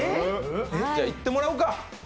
じゃあ行ってもらおうか！